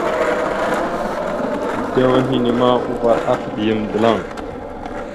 Edewa henne ma uvar ataɗ yam dəlaŋ.